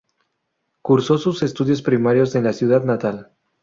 Cursó sus estudios primarios en la ciudad natal.